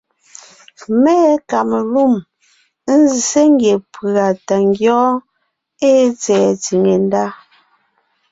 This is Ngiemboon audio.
Mé ée kamelûm nzsé ngie pʉ̀a tɛ ngyɔ́ɔn ée tsɛ̀ɛ tsìŋe ndá: